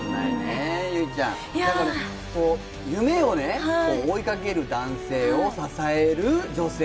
結実ちゃん、夢を追いかける男性を支える女性。